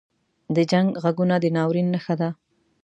• د جنګ ږغونه د ناورین نښه ده.